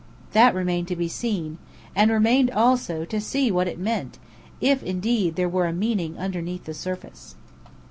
That remained to be seen. And remained also, to see what it meant, if indeed there were a meaning underneath the surface.